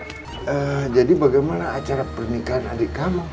nah jadi bagaimana acara pernikahan adik kamu